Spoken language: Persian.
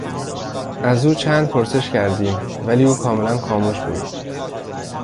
از او چند پرسش کردیم ولی او کاملا خاموش بود.